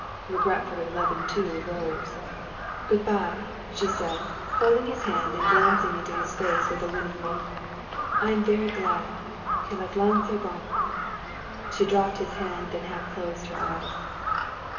Regretfully Levin too rose. "Good bye," she said, holding his hand and glancing into his face with a winning look. "I am very glad que la glace est rompue." She dropped his hand, and half closed her eyes.